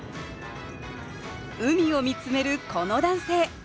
海を見つめるこの男性